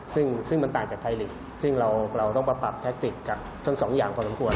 ซึ่งมันต่างจากไทยหลีกซึ่งเราต้องปรับแทคติกกับทั้ง๒อย่างของสังควร